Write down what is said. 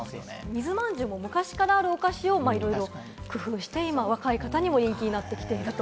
水まんじゅうも昔からあるお菓子を今工夫して若い方にも人気になってきていると。